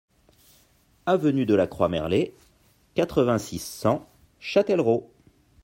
Avenue de la Croix Merlet, quatre-vingt-six, cent Châtellerault